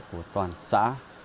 của toàn xã